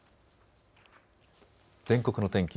全国の天気